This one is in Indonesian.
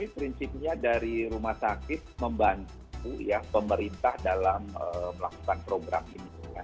prinsipnya dari rumah sakit membantu ya pemerintah dalam melakukan program ini